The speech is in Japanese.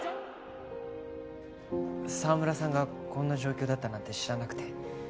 澤村さんがこんな状況だったなんて知らなくて。